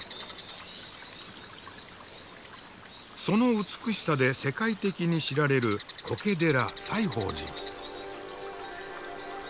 その美しさで世界的に知られる苔寺西芳寺。